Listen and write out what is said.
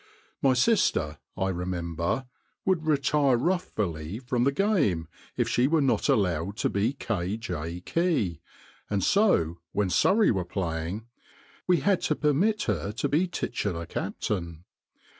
My sister, I remember, would retire wrathfully from the game if she were not allowed to be K. J. Key, and so, when Surrey was playing, we had to permit her to be titular captain.